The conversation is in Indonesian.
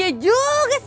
kau tulis apa